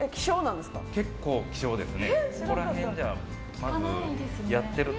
結構、希少ですね。